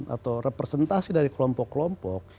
atau representasi dari kelompok kelompok